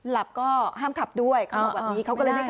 หลับก็ห้ามขับด้วยเขาบอกแบบนี้เขาก็เลยไม่ขอ